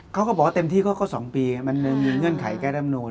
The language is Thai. เขาก็บอกว่าเต็มที่ก็๒ปีมันมีเงื่อนไขแก้ร่ำนูน